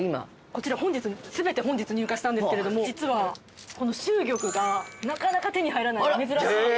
こちら全て本日入荷したんですけれど実はこの秀玉がなかなか手に入らない珍しい。